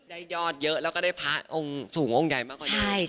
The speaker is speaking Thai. ยอดเยอะแล้วก็ได้พระองค์สูงองค์ใหญ่มากกว่านี้